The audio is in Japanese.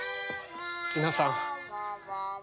皆さん。